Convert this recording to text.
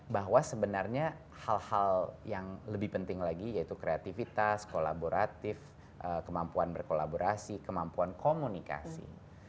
bahwa sebenarnya hal hal yang lebih penting lagi yaitu kreativitas kolaboratif kemampuan berkolaborasi kemampuan komunikasi